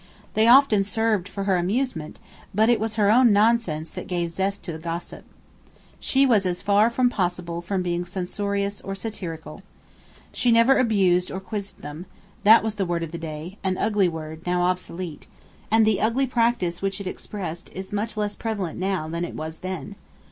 They often served for her amusement; but it was her own nonsense that gave zest to the gossip. She was as far as possible from being censorious or satirical. She never abused them or quizzed them that was the word of the day; an ugly word, now obsolete; and the ugly practice which it expressed is much less prevalent now than it was then.